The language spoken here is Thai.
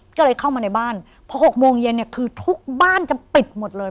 ก็เลยเข้ามาในบ้านพอ๖โมงเย็นเนี่ยคือทุกบ้านจะปิดหมดเลย